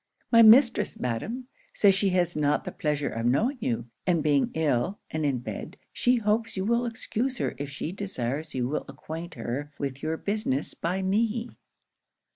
'My mistress, Madam, says she has not the pleasure of knowing you; and being ill, and in bed, she hopes you will excuse her if she desires you will acquaint her with your business by me.'